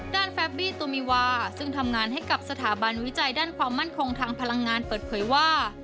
แฟบี้ตูมีวาซึ่งทำงานให้กับสถาบันวิจัยด้านความมั่นคงทางพลังงานเปิดเผยว่า